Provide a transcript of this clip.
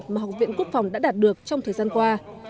mà học viện quốc phòng đã đạt được trong thời gian qua